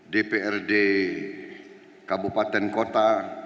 dprd kabupaten kota